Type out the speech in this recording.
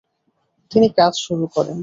তিনি কাজ শুরু করেন।